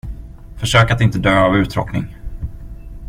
Försök att inte dö av uttråkning.